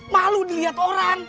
malu dilihat orang